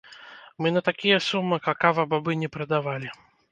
Мы на такія сумы какава-бабы не прадавалі!